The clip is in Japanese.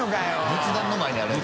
仏壇の前にあるやつ。